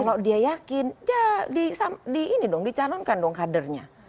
kalau dia yakin ya di ini dong dicalonkan dong kadernya